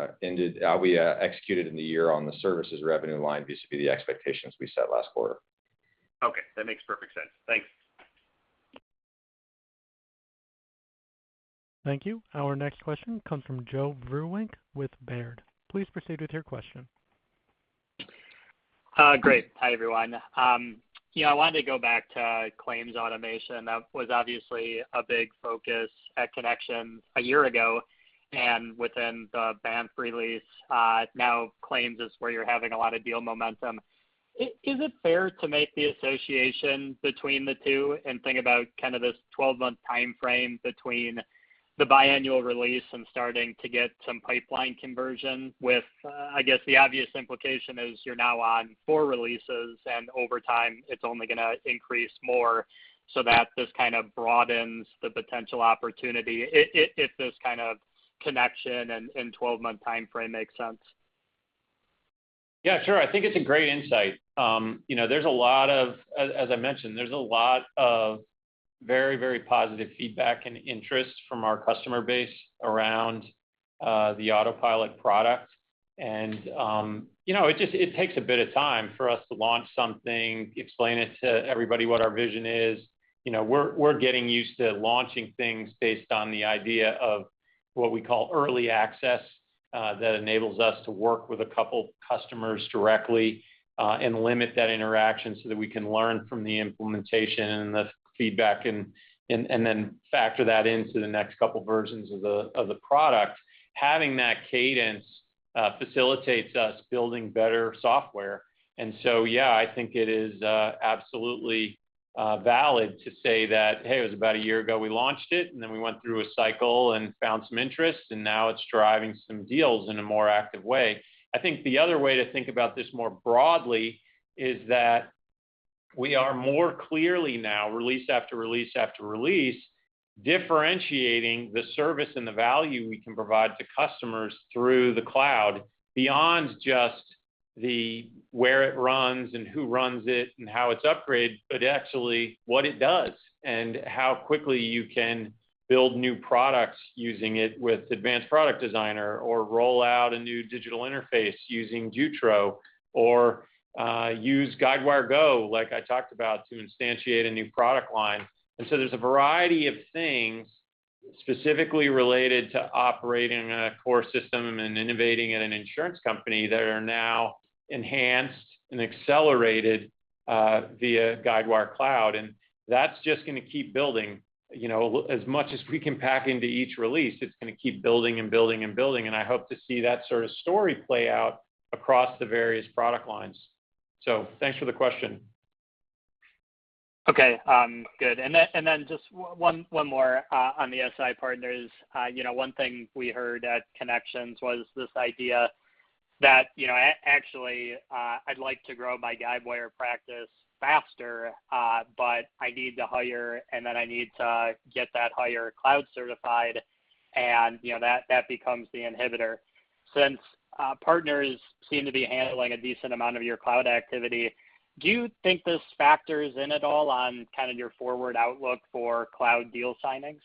executed in the year on the services revenue line vis-à-vis the expectations we set last quarter. Okay. That makes perfect sense. Thanks. Thank you. Our next question comes from Joe Vruwink with Baird. Please proceed with your question. Great. Hi, everyone. You know, I wanted to go back to claims automation. That was obviously a big focus at Connections a year ago, and within the Banff release, now claims is where you're having a lot of deal momentum. Is it fair to make the association between the two and think about kind of this 12-month timeframe between the biannual release and starting to get some pipeline conversion with, I guess the obvious implication is you're now on four releases, and over time, it's only gonna increase more so that this kind of broadens the potential opportunity if this kind of connection and 12-month timeframe makes sense. Yeah, sure. I think it's a great insight. You know, as I mentioned, there's a lot of very, very positive feedback and interest from our customer base around the Autopilot product. You know, it just takes a bit of time for us to launch something, explain it to everybody what our vision is. You know, we're getting used to launching things based on the idea of what we call early access that enables us to work with a couple customers directly and limit that interaction so that we can learn from the implementation and the feedback and then factor that into the next couple versions of the product. Having that cadence facilitates us building better software. Yeah, I think it is, absolutely, valid to say that, Hey, it was about a year ago we launched it, and then we went through a cycle and found some interest, and now it's driving some deals in a more active way. I think the other way to think about this more broadly is that we are more clearly now, release after release after release, differentiating the service and the value we can provide to customers through the cloud beyond just the where it runs and who runs it and how it's upgraded, but actually what it does and how quickly you can build new products using it with Advanced Product Designer or roll out a new digital interface using Jutro or, use Guidewire GO, like I talked about, to instantiate a new product line. There's a variety of things specifically related to operating a core system and innovating at an insurance company that are now enhanced and accelerated via Guidewire Cloud. That's just gonna keep building. You know, as much as we can pack into each release, it's gonna keep building and building and building, and I hope to see that sort of story play out across the various product lines. Thanks for the question. Okay. Good. Just one more on the SI partners. You know, one thing we heard at Connections was this idea that, you know, actually, I'd like to grow my Guidewire practice faster, but I need to hire and then I need to get that hire Guidewire Cloud certified and, you know, that becomes the inhibitor. Since partners seem to be handling a decent amount of your cloud activity, do you think this factors in at all on kind of your forward outlook for cloud deal signings?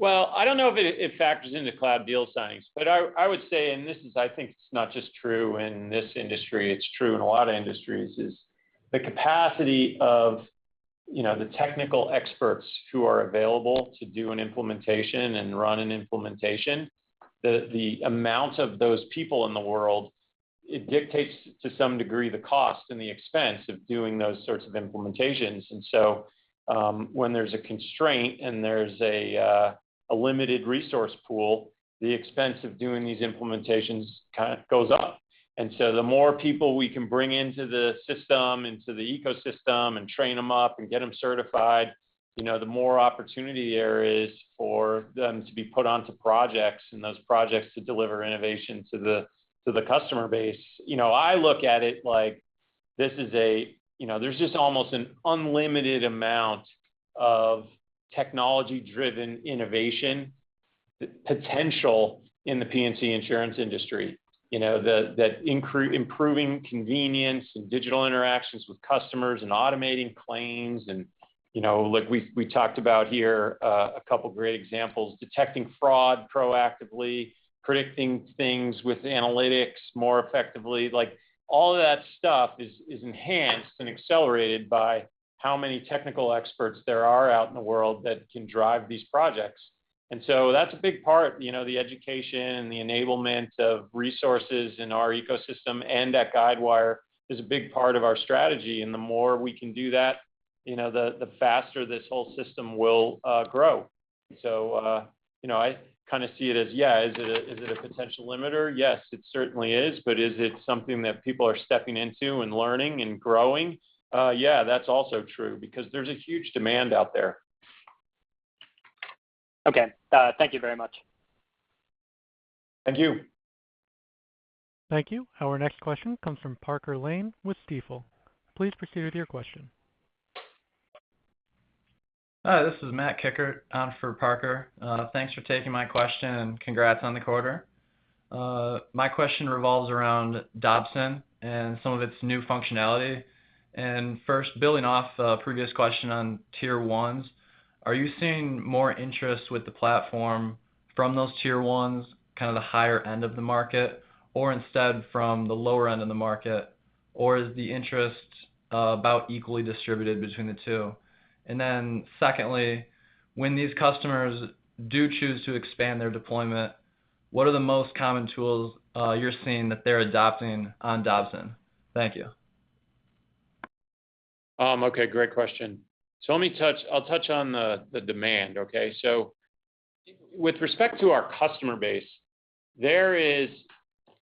Well, I don't know if it factors into cloud deal signings, but I would say, and this is, I think it's not just true in this industry, it's true in a lot of industries, is the capacity of, you know, the technical experts who are available to do an implementation and run an implementation, the amount of those people in the world, it dictates to some degree the cost and the expense of doing those sorts of implementations. When there's a constraint and there's a limited resource pool, the expense of doing these implementations kind of goes up. The more people we can bring into the system, into the ecosystem and train them up and get them certified, you know, the more opportunity there is for them to be put onto projects and those projects to deliver innovation to the customer base. You know, I look at it like this. You know, there's just almost an unlimited amount of technology-driven innovation potential in the P&C insurance industry. You know, improving convenience and digital interactions with customers and automating claims and, you know, like we talked about here, a couple great examples, detecting fraud proactively, predicting things with analytics more effectively. Like, all of that stuff is enhanced and accelerated by how many technical experts there are out in the world that can drive these projects. That's a big part, you know, the education, the enablement of resources in our ecosystem and at Guidewire is a big part of our strategy. The more we can do that, you know, the faster this whole system will grow. You know, I kind of see it as, yeah, is it a potential limiter? Yes, it certainly is. Is it something that people are stepping into and learning and growing? Yeah, that's also true because there's a huge demand out there. Okay. Thank you very much. Thank you. Thank you. Our next question comes from Parker Lane with Stifel. Please proceed with your question. Hi, this is Matt Kickert on for Parker. Thanks for taking my question, and congrats on the quarter. My question revolves around Dobson and some of its new functionality. First, building off a previous question on tier ones, are you seeing more interest with the platform from those Tier 1s, kind of the higher end of the market, or instead from the lower end of the market? Or is the interest about equally distributed between the two? Secondly, when these customers do choose to expand their deployment, what are the most common tools you're seeing that they're adopting on Dobson? Thank you. Matt great question. I'll touch on the demand, okay? With respect to our customer base, there is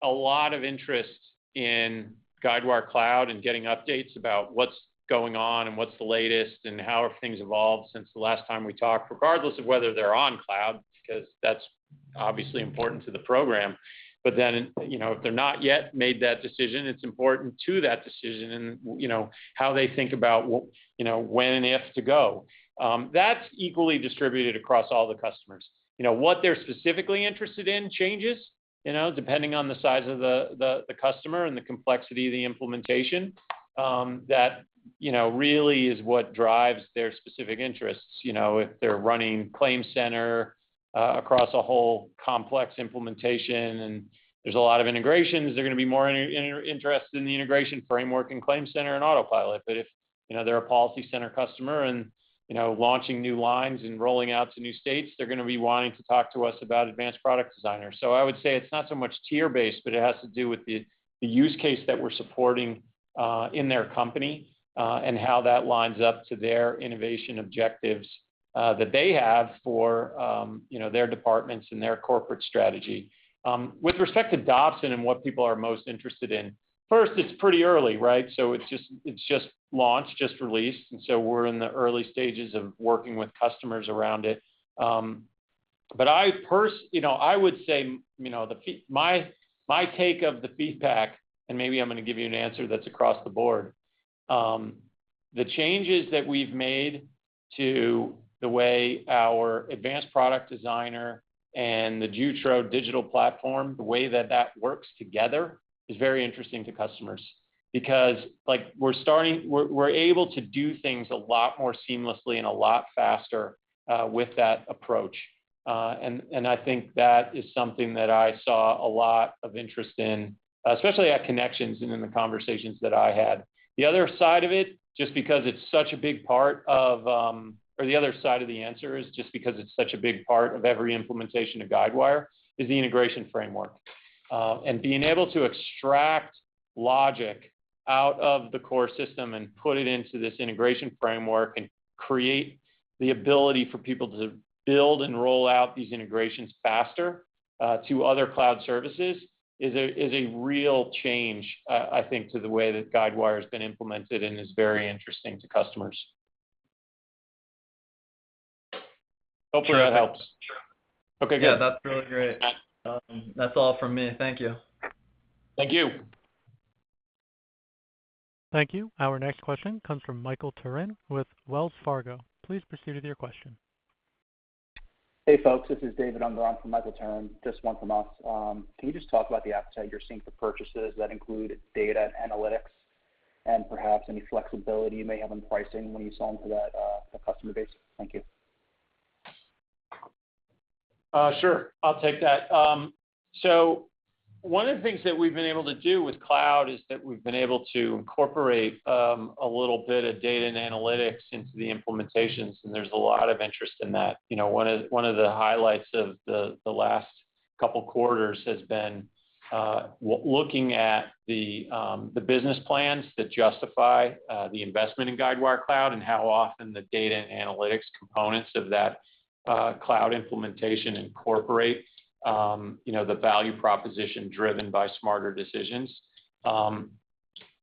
a lot of interest in Guidewire Cloud and getting updates about what's going on and what's the latest and how have things evolved since the last time we talked, regardless of whether they're on cloud, because that's obviously important to the program. Then, you know, if they're not yet made that decision, it's important to that decision and, you know, how they think about, you know, when and if to go. That's equally distributed across all the customers. You know, what they're specifically interested in changes, you know, depending on the size of the customer and the complexity of the implementation. That, you know, really is what drives their specific interests. You know, if they're running ClaimCenter across a whole complex implementation and there's a lot of integrations, they're gonna be more interested in the integration framework in ClaimCenter and Autopilot. If, you know, they're a PolicyCenter customer and, you know, launching new lines and rolling out to new states, they're gonna be wanting to talk to us about Advanced Product Designer. I would say it's not so much tier-based, but it has to do with the use case that we're supporting in their company and how that lines up to their innovation objectives that they have for, you know, their departments and their corporate strategy. With respect to Dobson and what people are most interested in, first, it's pretty early, right? It's just launched and released, and we're in the early stages of working with customers around it. You know, I would say, you know, my take on the feedback, and maybe I'm gonna give you an answer that's across the board, the changes that we've made to the way our Advanced Product Designer and the Jutro digital platform, the way that that works together is very interesting to customers. Like, we're able to do things a lot more seamlessly and a lot faster with that approach. And I think that is something that I saw a lot of interest in, especially at Connections and in the conversations that I had. The other side of it, just because it's such a big part of. The other side of the answer is, just because it's such a big part of every implementation of Guidewire, is the integration framework. Being able to extract logic out of the core system and put it into this integration framework and create the ability for people to build and roll out these integrations faster, to other cloud services is a real change, I think, to the way that Guidewire has been implemented and is very interesting to customers. Hopefully that helps. Sure. Okay, great. Yeah, that's really great. That's all from me. Thank you. Thank you. Thank you. Our next question comes from Michael Turrin with Wells Fargo. Please proceed with your question. Hey, folks. This is David Unger on for Michael Turrin. Just one from us. Can you just talk about the appetite you're seeing for purchases that include data and analytics and perhaps any flexibility you may have in pricing when you sell into that customer base? Thank you. Sure. I'll take that. One of the things that we've been able to do with cloud is that we've been able to incorporate a little bit of data and analytics into the implementations, and there's a lot of interest in that. You know, one of the highlights of the last couple quarters has been looking at the business plans that justify the investment in Guidewire Cloud and how often the data and analytics components of that cloud implementation incorporate you know, the value proposition driven by smarter decisions.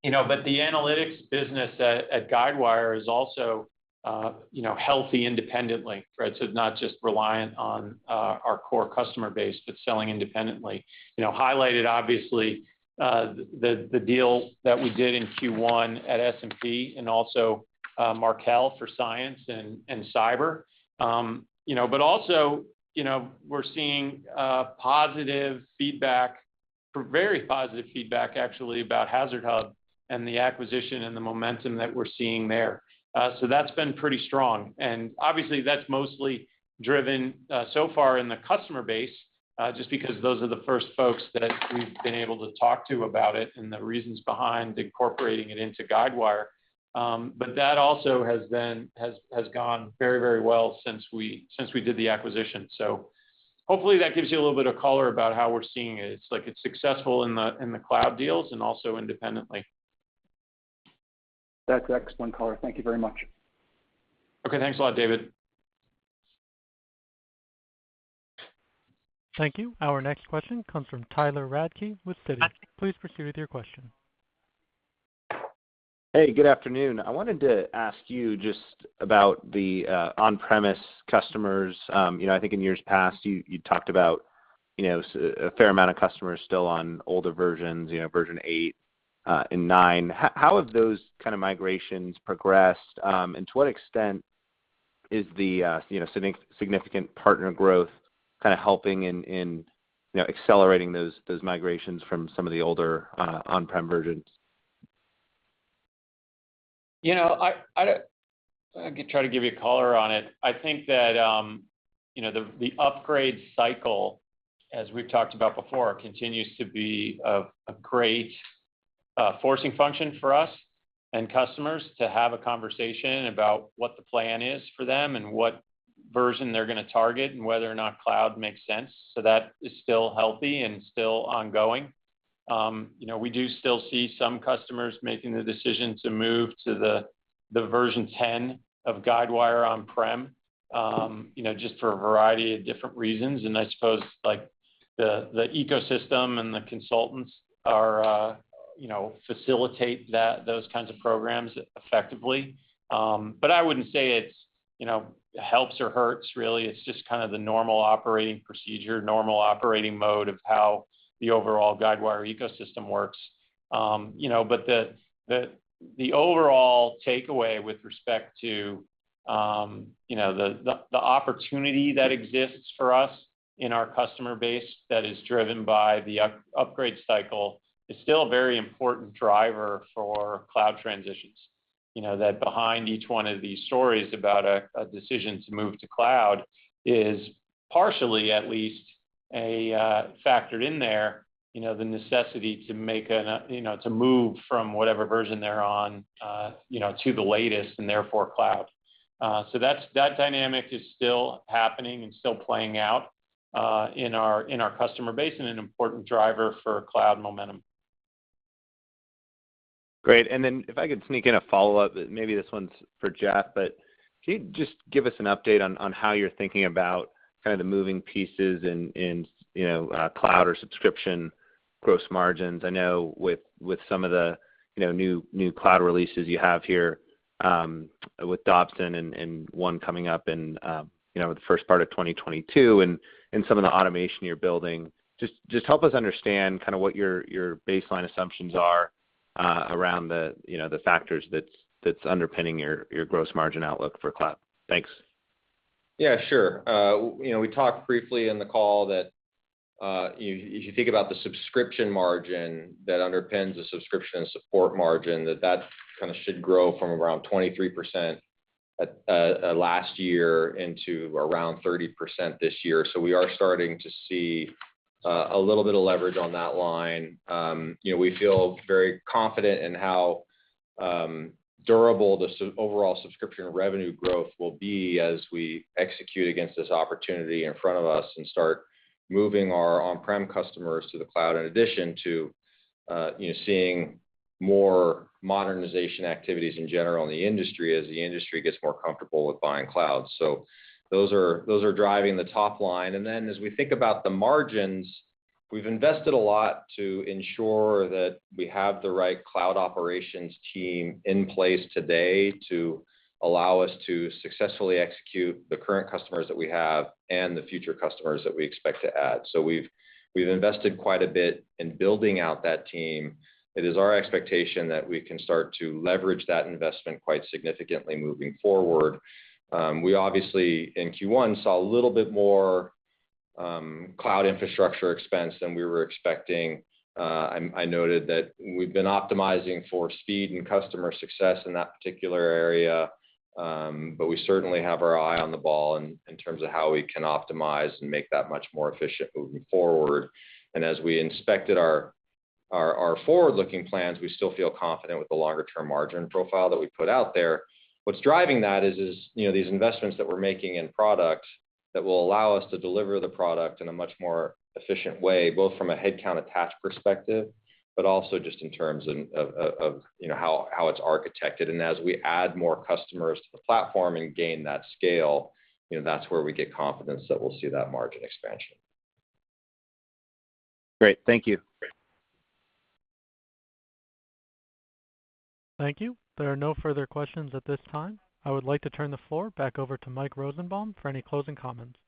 You know, but the analytics business at Guidewire is also you know, healthy independently, right? Not just reliant on our core customer base, but selling independently. You know, highlighted obviously, the deal that we did in Q1 at S&P and also, Markel for Cyence and cyber. You know, but also, we're seeing positive feedback very positive feedback actually about HazardHub and the acquisition and the momentum that we're seeing there. That's been pretty strong. Obviously, that's mostly driven so far in the customer base just because those are the first folks that we've been able to talk to about it and the reasons behind incorporating it into Guidewire. But that also has gone very, very well since we did the acquisition. Hopefully that gives you a little bit of color about how we're seeing it. It's like it's successful in the cloud deals and also independently. That's excellent color. Thank you very much. Okay. Thanks a lot, David. Thank you. Our next question comes from Tyler Radke with Citi. Please proceed with your question. Hey, good afternoon. I wanted to ask you just about the on-premise customers. You know, I think in years past you talked about, you know, a fair amount of customers still on older versions, you know, version 8 and 9. How have those kind of migrations progressed? To what extent is the, you know, significant partner growth kind of helping in, you know, accelerating those migrations from some of the older on-prem versions? You know, I can try to give you a color on it. I think that, you know, the upgrade cycle, as we've talked about before, continues to be a great forcing function for us and customers to have a conversation about what the plan is for them and what version they're gonna target and whether or not cloud makes sense. That is still healthy and still ongoing. You know, we do still see some customers making the decision to move to the version 10 of Guidewire on-prem, you know, just for a variety of different reasons. I suppose like the ecosystem and the consultants are, you know, facilitate that, those kinds of programs effectively. I wouldn't say it's, you know, helps or hurts really. It's just kind of the normal operating procedure, normal operating mode of how the overall Guidewire ecosystem works. You know, the overall takeaway with respect to, you know, the opportunity that exists for us in our customer base that is driven by the upgrade cycle is still a very important driver for cloud transitions. You know, that behind each one of these stories about a decision to move to cloud is partially at least a factored in there, you know, the necessity to make a, you know, to move from whatever version they're on, you know, to the latest and therefore cloud. That dynamic is still happening and still playing out, in our customer base and an important driver for cloud momentum. Great. Then if I could sneak in a follow-up, maybe this one's for Jeff. Can you just give us an update on how you're thinking about kind of the moving pieces in, you know, cloud or subscription gross margins? I know with some of the, you know, new cloud releases you have here, with Dobson and one coming up in, you know, the first part of 2022 and some of the automation you're building. Just help us understand kind of what your baseline assumptions are, around the, you know, the factors that's underpinning your gross margin outlook for cloud. Thanks. Yeah, sure. You know, we talked briefly in the call that if you think about the subscription margin that underpins the subscription and support margin, that kind of should grow from around 23% last year into around 30% this year. We are starting to see a little bit of leverage on that line. You know, we feel very confident in how durable the overall subscription revenue growth will be as we execute against this opportunity in front of us and start moving our on-prem customers to the cloud, in addition to seeing more modernization activities in general in the industry as the industry gets more comfortable with buying cloud. Those are driving the top line. As we think about the margins, we've invested a lot to ensure that we have the right cloud operations team in place today to allow us to successfully execute the current customers that we have and the future customers that we expect to add. We've invested quite a bit in building out that team. It is our expectation that we can start to leverage that investment quite significantly moving forward. We obviously in Q1 saw a little bit more cloud infrastructure expense than we were expecting. I noted that we've been optimizing for speed and customer success in that particular area, but we certainly have our eye on the ball in terms of how we can optimize and make that much more efficient moving forward. As we inspected our forward-looking plans, we still feel confident with the longer-term margin profile that we put out there. What's driving that is you know these investments that we're making in product that will allow us to deliver the product in a much more efficient way, both from a headcount attached perspective, but also just in terms of of you know how it's architected. As we add more customers to the platform and gain that scale, you know, that's where we get confidence that we'll see that margin expansion. Great. Thank you. Great. Thank you. There are no further questions at this time. I would like to turn the floor back over to Mike Rosenbaum for any closing comments.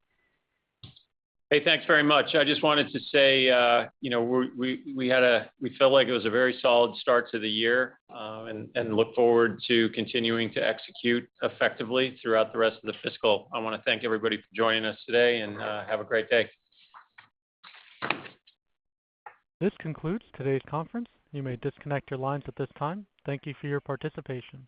Hey, thanks very much. I just wanted to say, you know, we feel like it was a very solid start to the year, and look forward to continuing to execute effectively throughout the rest of the fiscal. I wanna thank everybody for joining us today and have a great day. This concludes today's conference. You may disconnect your lines at this time. Thank you for your participation.